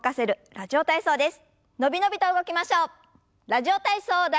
「ラジオ体操第１」。